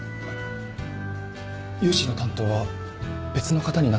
融資の担当は別の方になったと。